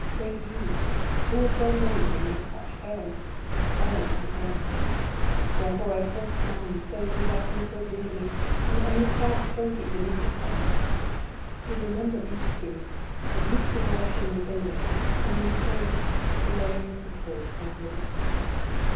Save you who were so maimed and in such peril all are gone. Therefore I call to mind those who loved me so dearly, and am the saddest lady beneath the sun. To remember these things, of you four I shall make a Lay, and will call it the Lay of the Four Sorrows."